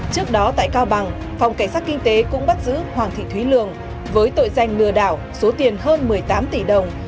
trước đó tại cao bằng phòng cảnh sát kinh tế cũng bắt giữ hoàng thị thúy lường với tội danh lừa đảo số tiền hơn một mươi tám tỷ đồng